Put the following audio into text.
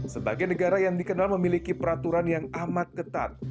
sebagai negara yang dikenal memiliki peraturan yang amat ketat